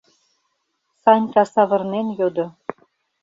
— Санька савырнен йодо.